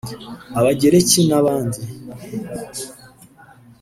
Abagereki n’abandi